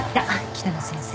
北野先生。